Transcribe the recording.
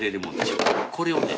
これをね